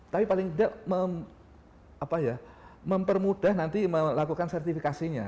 tapi paling tidak mempermudah nanti melakukan sertifikasinya